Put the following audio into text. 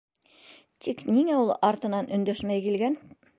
Тик ниңә ул артынан өндәшмәй килгән?